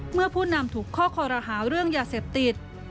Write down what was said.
ผู้นำถูกข้อคอรหาเรื่องยาเสพติด